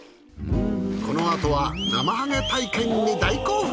このあとはなまはげ体験に大興奮！